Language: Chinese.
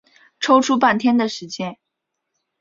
抽出半天的时间